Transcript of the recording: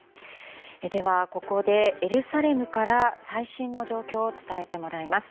では、ここでエルサレムから最新の状況を伝えてもらいます。